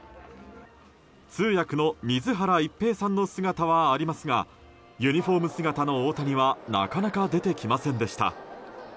通訳の水原一平さんの姿はありますがユニホーム姿の大谷はなかなか出てきませんでした。